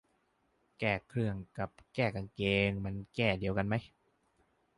แก้เครื่องกับแก้กางเกงมันแก้เดียวกันไหม